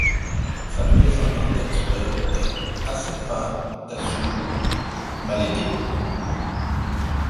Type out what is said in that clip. Sa représentante actuelle est Asefash Tasew Malede.